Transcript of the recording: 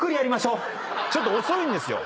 ちょっと遅いんですよ。